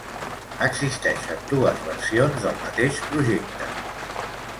Existeixen dues versions del mateix projecte.